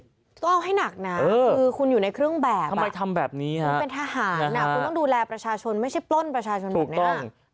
ต้องเอาให้หนักนะคือคุณอยู่ในเครื่องแบบอะเป็นทหารคุณต้องดูแลประชาชนไม่ใช่ปล้นประชาชนเหมือนแบบนี้อะ